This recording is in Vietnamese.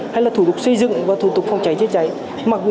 hay là thủ tục xây dựng và thủ tục phòng cháy chữa cháy